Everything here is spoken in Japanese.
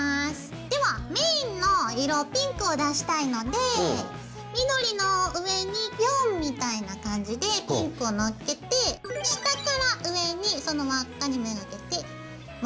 ではメインの色ピンクを出したいので緑の上に４みたいな感じでピンクを載っけて下から上にその輪っかに目がけて持ってきます。